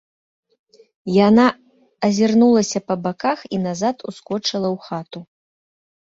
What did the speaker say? Яна азірнулася па баках і назад ускочыла ў хату.